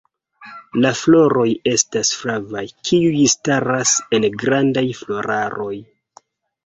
La floroj estas flavaj, kiuj staras en grandaj floraroj.